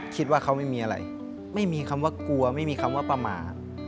คิดว่าเขาไม่มีอะไรไม่มีคำว่ากลัวไม่มีคำว่าประมาท